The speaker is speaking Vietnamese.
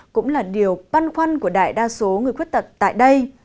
cũng là điều băn khoăn của đại đa số người khuyết tật tại đây